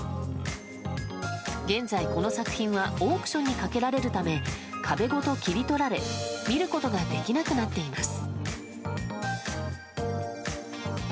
現在、この作品はオークションにかけられるため壁ごと切り取られ、見ることができなくなっています。